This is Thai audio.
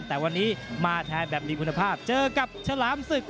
แต่วันนี้มาแทนแบบมีคุณภาพเจอกับฉลามศึก